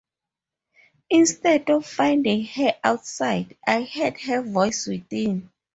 Instead of finding her outside, I heard her voice within.